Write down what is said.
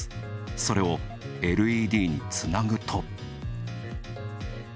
それをＬＥＤにつなぐと。